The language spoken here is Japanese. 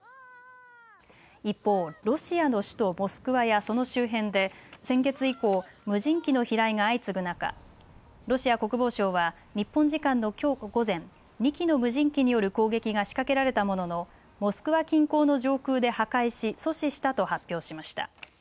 一方、ロシアの首都モスクワやその周辺で先月以降、無人機の飛来が相次ぐ中、ロシア国防省は日本時間のきょう午前、２機の無人機による攻撃が仕掛けられたもののモスクワ近郊の上空で破壊し、阻止したと発表しました。